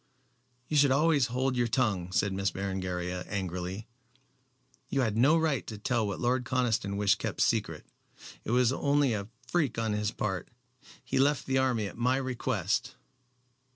"You should always hold your tongue," said Miss Berengaria, angrily. "You had no right to tell what Lord Conniston wished kept secret. It was only a freak on his part. He left the army at my request."